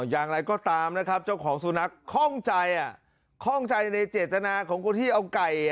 อย่างไรก็ตามนะครับเจ้าของสุนัขข้องใจข้องใจในเจตนาของคนที่เอาไก่